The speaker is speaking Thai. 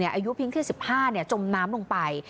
อายุเพียงแค่๑๕จมน้ำลงไป